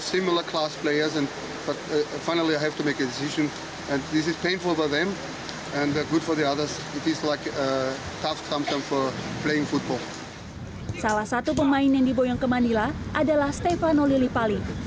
salah satu pemain yang diboyong ke manila adalah stefano lillipali